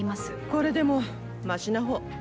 これでもマシなほう。